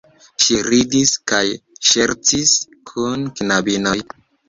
Ŝi ridis kaj ŝercis kun knabinoj.